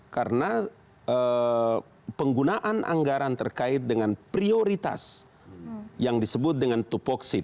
karena penggunaan anggaran terkait dengan prioritas yang disebut dengan tupoksi